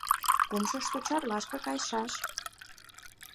— Кумышто Чарлашке кайышаш...